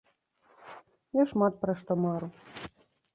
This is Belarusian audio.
Я шмат пра што мару.